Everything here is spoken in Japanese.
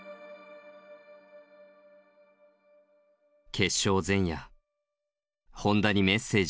決勝前夜本多にメッセージを送った。